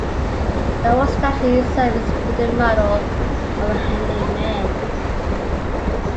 The award statue itself is wooden model of a hanging man.